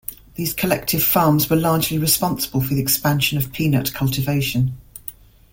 These collective farms were largely responsible for the expansion of peanut cultivation.